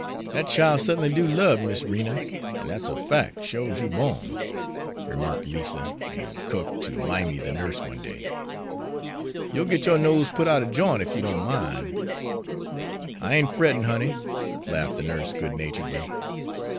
"Dat chile sutt'nly do lub Miss Rena, an' dat's a fac', sho 's you bawn," remarked 'Lissa the cook to Mimy the nurse one day. "You'll get yo' nose put out er j'int, ef you don't min'." "I ain't frettin', honey," laughed the nurse good naturedly.